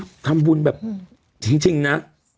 ทำบุญแบบจริงนะ